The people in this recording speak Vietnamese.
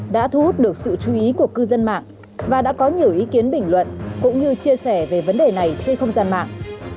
đã thu hút được sự chú ý của cư dân mạng và đã có nhiều ý kiến bình luận cũng như chia sẻ về vấn đề này trên không gian mạng